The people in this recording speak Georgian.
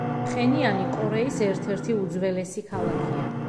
ფხენიანი კორეის ერთ-ერთი უძველესი ქალაქია.